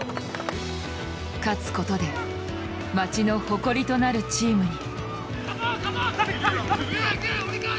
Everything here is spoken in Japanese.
勝つことで町の誇りとなるチームに。